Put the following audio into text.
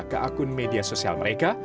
ke akun media sosial mereka